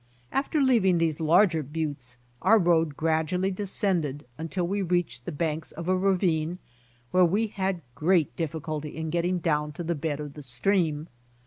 After leaving these larger buttes, our road gradually descended until we reached the banks of a ravine, where we had great difficulty in getting down to the bed of the stream.